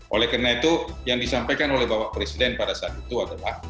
oleh karena itu yang disampaikan oleh bapak presiden pada saat itu adalah